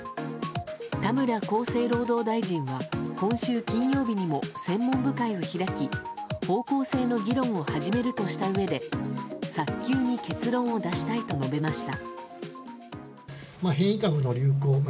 田村厚生労働大臣は今週金曜日にも専門部会を開き方向性の議論を始めるとしたうえで早急に結論を出したいと述べました。